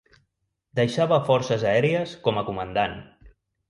Deixava Forces Aèries com a comandant.